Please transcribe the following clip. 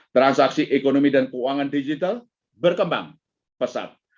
transaksi ekonomi dan keuangan digital berkembang pesat